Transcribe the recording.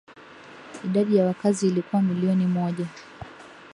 Idadi ya wakazi ilikuwa milioni moja